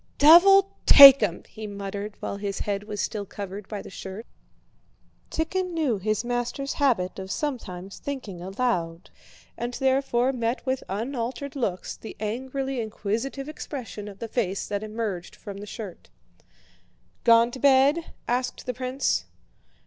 "Devil take 'em!" he muttered, while his head was still covered by the shirt. Tíkhon knew his master's habit of sometimes thinking aloud, and therefore met with unaltered looks the angrily inquisitive expression of the face that emerged from the shirt. "Gone to bed?" asked the prince.